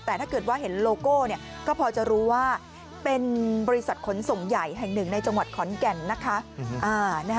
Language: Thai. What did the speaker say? แต่ถ้าเกิดว่าเห็นโลโก้ก็พอจะรู้ว่าเป็นบริษัทขนส่งใหญ่แห่งหนึ่งในจังหวัดขอนแก่นนะคะ